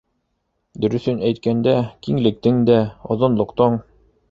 —Дөрөҫөн әйткәндә, киңлектең дә, оҙонлоҡтоң